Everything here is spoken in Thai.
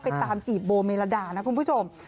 ตามจีบโบเมลดานะคุณผู้ชม